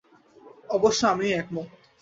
অবশ্য, আমিও একমত।